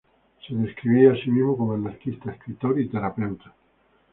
Se describía a sí mismo como "anarquista, escritor y terapeuta".